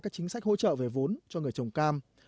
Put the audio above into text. các chính sách hỗ trợ về vốn cho người trồng cam